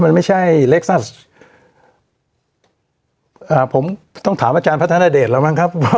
มันไม่ใช่เล็กซัสอ่าผมต้องถามอาจารย์พัฒนาเดชแล้วมั้งครับว่า